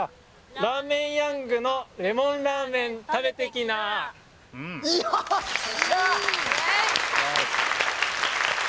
「ラーメンｙｏｕｎｇのレモンラーメン食べてきなー！」